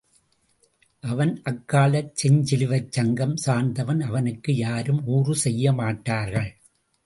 அவன் அக்காலச் செஞ்சிலுவைச்சங்கம் சார்ந்தவன் அவனுக்கு யாரும் ஊறு செய்யமாட்டார்கள்.